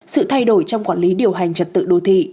sự thay đổi trong quản lý điều hành trật tự đô thị